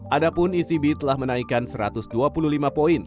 adapun ecb telah menaikkan satu ratus dua puluh lima poin